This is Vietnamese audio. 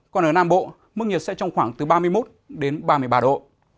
còn ở nam bộ mức nhiệt sẽ trong khoảng ba mươi một ba mươi ba độ